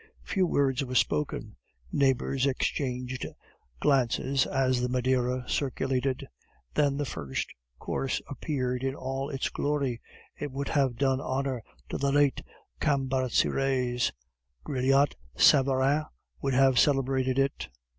Few words were spoken. Neighbors exchanged glances as the Maderia circulated. Then the first course appeared in all its glory; it would have done honor to the late Cambaceres, Brillat Savarin would have celebrated it.